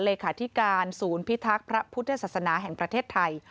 เลขาธิการศูนย์พิทักษ์พระพุทธศาสนาแห่งประเทศไทย